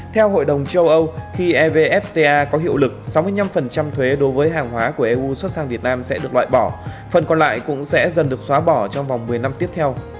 theo hội đồng châu âu khi evfta có hiệu lực sáu mươi năm thuế đối với hàng hóa của eu xuất sang việt nam sẽ được loại bỏ phần còn lại cũng sẽ dần được xóa bỏ trong vòng một mươi năm tiếp theo